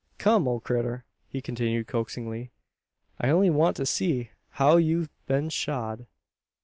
Come, ole critter!" he continued coaxingly, "I only want to see how youv'e been shod."